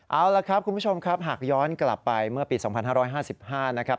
เอาละครับคุณผู้ชมครับหากย้อนกลับไปเมื่อปี๒๕๕๕นะครับ